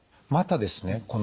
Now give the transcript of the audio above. またですね